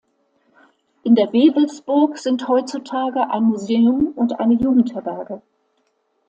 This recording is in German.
In der Wewelsburg sind heutzutage ein Museum und eine Jugendherberge.